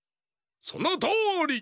そのとおり！